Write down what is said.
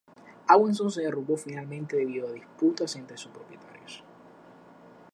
Awesome se derrumbó finalmente debido a disputas entre sus propietarios.